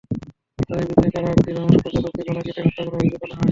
তাঁদের বিরুদ্ধে কারারক্ষী রামশঙ্কর যাদবকে গলা কেটে হত্যা করার অভিযোগ আনা হয়।